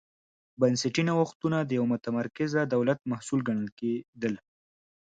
بنسټي نوښتونه د یوه متمرکز دولت محصول ګڼل کېدل.